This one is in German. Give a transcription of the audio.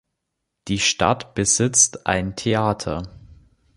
Die Stadt besitzt ein Theater.